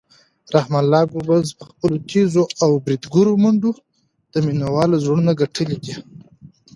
رحمان الله ګربز په خپلو تېزو او بریدګرو منډو د مینوالو زړونه ګټلي دي.